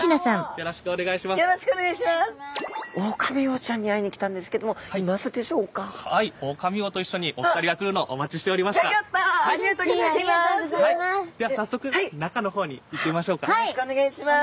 よろしくお願いします。